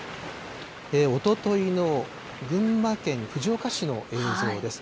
おとといの群馬県藤岡市の映像です。